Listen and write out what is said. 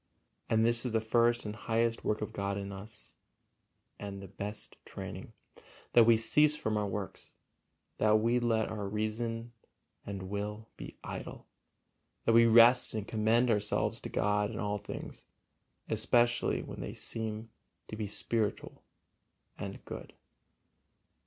And this is the first and highest work of God in us and the best training, that we cease from our works, that we let our reason and will be idle, that we rest and commend ourselves to God in all things, especially when they seem to be spiritual and good.